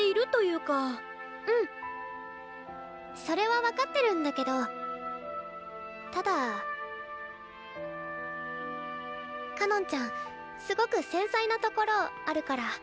それは分かってるんだけどただかのんちゃんすごく繊細なところあるから。